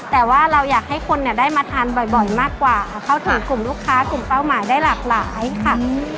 แต่ว่าเราอยากให้คนเนี่ยได้มาทานบ่อยมากกว่าเข้าถึงกลุ่มลูกค้ากลุ่มเป้าหมายได้หลากหลายค่ะ